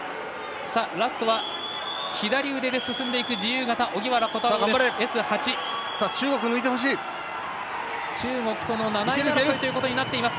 ラストは、左腕で進んでいく自由形の荻原虎太郎です。